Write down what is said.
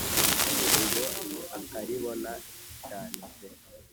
ubwo akaribona, cyane pe